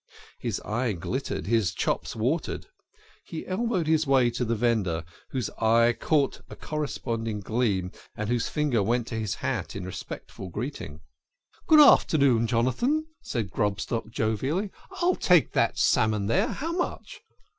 His eye glittered, his chops watered. He elbowed his way to the vendor, whose eye caught a corresponding gleam, and whose finger went to his hat in respectful greeting. "Good afternoon, Jonathan," said Grobstock jovially, " I'll take that salmon there how much?